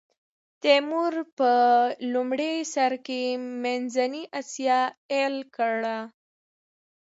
تیمور په لومړي سر کې منځنۍ اسیا ایل کړه.